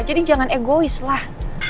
jadi jangan egois lah